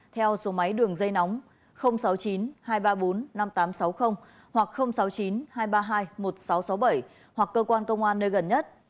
theo số máy đường dây nóng sáu mươi chín hai trăm ba mươi bốn năm nghìn tám trăm sáu mươi hoặc sáu mươi chín hai trăm ba mươi hai một nghìn sáu trăm sáu mươi bảy hoặc cơ quan công an nơi gần nhất